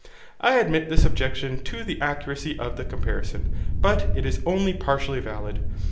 I admit this objection to the accuracy of the comparison, but it is only partially valid.